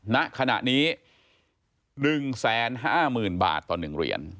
ณขณะนี้๑๕๐๐๐บาทต่อ๑เหรียญ